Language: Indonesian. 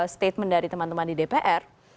statement dari teman teman di dpr